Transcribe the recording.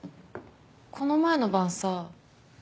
この前の晩さ